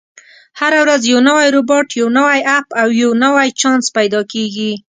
هره ورځ یو نوی روباټ، یو نوی اپ، او یو نوی چانس پیدا کېږي.